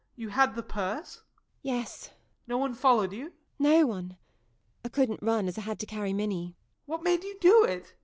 You had the purse? MARY. Yes JOE. No one followed you? MARY. No one. I couldn't run, as I had to carry Minnie. JOE. What made you do it?